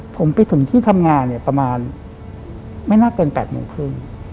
ผมไปถึงที่ทำงานเนี่ยประมาณไม่น่าเกิน๘โมงครึ่ง